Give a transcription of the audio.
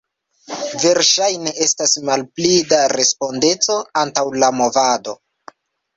Verŝajne estas malpli da respondeco antaŭ la movado.